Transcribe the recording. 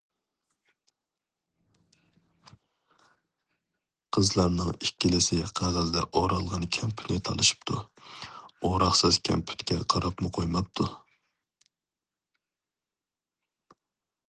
قىزلارنىڭ ئىككىلىسى قەغەزدە ئورالغان كەمپۈتنى تالىشىپتۇ، ئوراقسىز كەمپۈتكە قاراپمۇ قويماپتۇ.